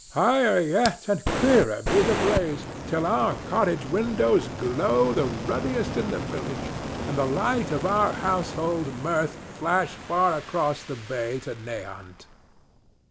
Higher yet, and clearer, be the blaze, till our cottage windows glow the ruddiest in the village and the light of our household mirth flash far across the bay to Nahant.